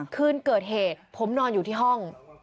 คืนเกิดเหตุผมนอนอยู่ที่ห้อง